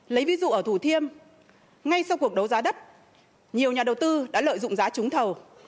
lấy ví dụ ở thủ thiêm ngay sau cuộc đấu giá đất nhiều nhà đầu tư đã lợi dụng giá trúng thầu